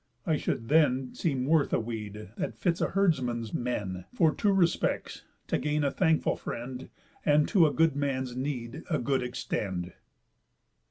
I should then Seem worth a weed that fits a herdsman's men, For two respects, to gain a thankful friend, And to a good man's need a good extend."